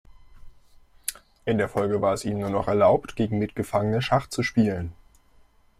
In der Folge war es ihm nur noch erlaubt, gegen Mitgefangene Schach zu spielen.